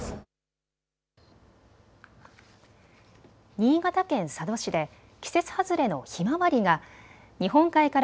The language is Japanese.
新潟県佐渡市で季節外れのヒマワリが日本海から